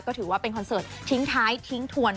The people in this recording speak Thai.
ก็ถือว่าเป็นคอนเสิร์ตทิ้งท้ายทิ้งทวน